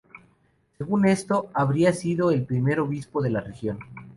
Según esto, habría sido el primer obispo de la región.